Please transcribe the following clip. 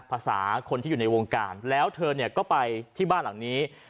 ภาษาคนที่อยู่ในวงการแล้วเธอเนี่ยก็ไปที่บ้านหลังนี้